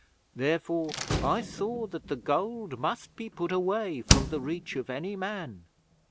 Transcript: Therefore I saw that the gold must be put away from the reach of any man.